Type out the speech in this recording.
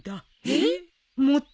えっ！？